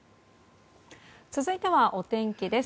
続いてはお天気です。